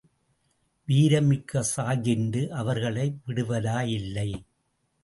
வீரமிக்க sergeant அவர்களை விடுவாதாயில்லை.